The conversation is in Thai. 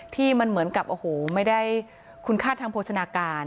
ที่มันเหมือนกับโอ้โหไม่ได้คุณค่าทางโภชนาการ